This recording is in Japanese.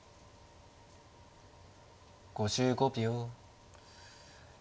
５５秒。